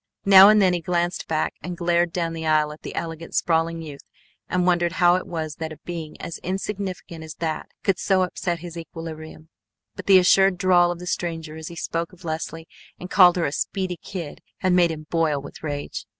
Now and then he glanced back and glared down the aisle at the elegant sprawling youth and wondered how it was that a being as insignificant as that could so upset his equilibrium. But the assured drawl of the stranger as he spoke of Leslie and called her a "speedy kid" had made him boil with rage.